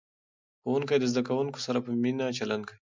ښوونکي د زده کوونکو سره په مینه چلند کوي.